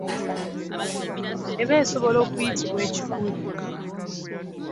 Eba esobola okuyitibwa ekiguli.